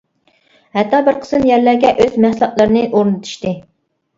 ھەتتا بىر قىسىم يەرلەرگە ئۆز مەھسۇلاتلىرىنى ئورنىتىشتى.